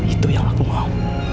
itu yang aku mau